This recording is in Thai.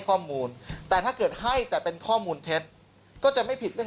ข้อมูลแต่ถ้าเกิดให้แต่เป็นข้อมูลเท็จก็จะไม่ผิดเรื่อง